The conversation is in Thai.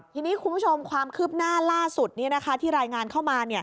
ทีนี้คุณผู้ชมความคืบหน้าล่าสุดที่รายงานเข้ามา